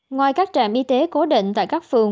ngoài các trạm y tế cố định tại các phường